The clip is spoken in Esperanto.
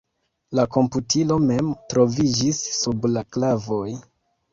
La komputilo mem troviĝis sub la klavoj.